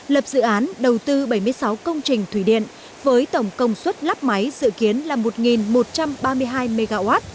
lập dự án đầu tư bảy mươi sáu công trình thủy điện với tổng công suất lắp máy dự kiến là một một trăm ba mươi hai mw